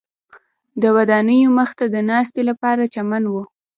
د ودانیو مخ ته د ناستې لپاره چمن و.